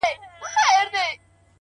لاسونه ښکلوي” ستا په لمن کي جانانه”